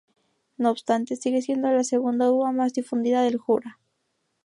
No obstante, sigue siendo la segunda uva más difundida del Jura.